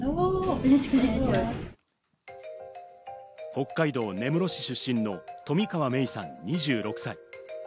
北海道根室市出身の冨川芽生さん、２６歳。